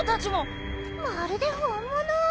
まるで本物。